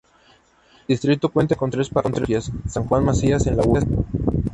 El distrito cuenta con tres parroquias: San Juan Macías en la Urb.